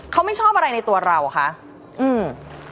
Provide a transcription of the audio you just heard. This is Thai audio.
เขาไม่ชอบอะไรในตัวเราอ่ะคะอืม